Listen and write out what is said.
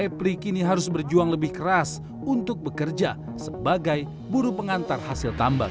epri kini harus berjuang lebih keras untuk bekerja sebagai buruh pengantar hasil tambang